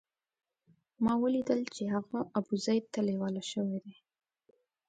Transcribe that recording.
ما ولیدل چې هغه ابوزید ته لېوال شوی دی.